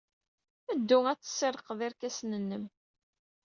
Ddu ad tessirrqed irkasen-nnem!